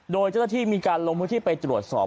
โดยเจ้าหน้าที่มีการลงพื้นที่ไปตรวจสอบ